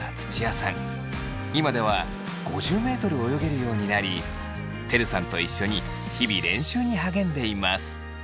今では５０ｍ泳げるようになりてるさんと一緒に日々練習に励んでいます。